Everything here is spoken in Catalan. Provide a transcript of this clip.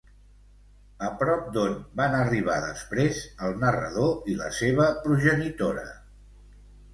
A prop d'on van arribar després el narrador i la seva progenitora?